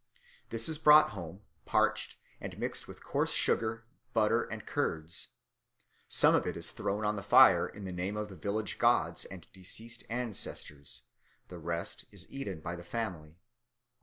This is brought home, parched, and mixed with coarse sugar, butter, and curds. Some of it is thrown on the fire in the name of the village gods and deceased ancestors; the rest is eaten by the family.